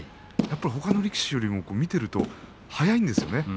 ほかの力士より見てると早いんです。